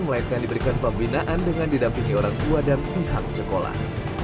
melainkan diberikan pembinaan dengan didampingi orang tua dan pihak sekolah